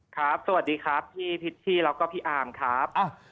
สวัสดีครับพี่พิชชี่แล้วก็พี่อาร์มครับ